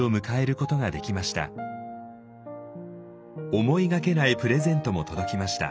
思いがけないプレゼントも届きました。